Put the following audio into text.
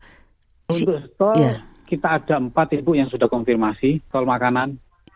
untuk tol kita ada empat ibu yang sudah konfirmasi soal makanan